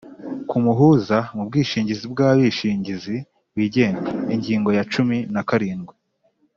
ku muhuza mu bwishingizi bw’abishingizi wigenga. Ingingo ya cumin a karindwi: